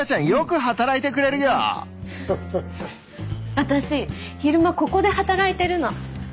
私昼間ここで働いてるの。